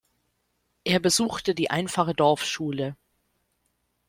Er besuchte die einfache Dorfschule.